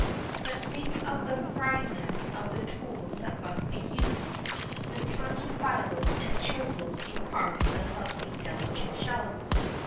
But think of the fineness of the tools that must be used, the tiny files and chisels in carving the lovely, delicate shells.